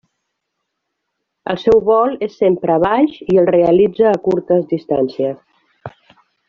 El seu vol és sempre baix i el realitza a curtes distàncies.